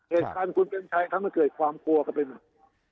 เหตุการณ์คุณเปรมชัยทำให้เกิดความกลัวกันไปหมด